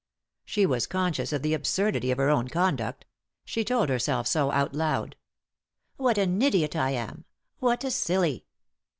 She was conscious of the absurdity of her own conduct — she told herself so out loud. "What an idiot I ami What a silly!"